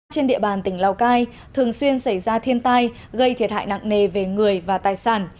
trên địa bàn tỉnh lào cai thường xuyên xảy ra thiên tai gây thiệt hại nặng nề về người và tài sản